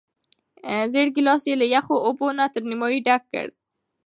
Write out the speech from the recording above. زېړ ګیلاس یې له یخو اوبو نه تر نیمايي ډک کړ.